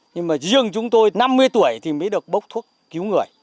nhưng mà riêng chúng tôi năm mươi tuổi thì mới được bốc thuốc cứu người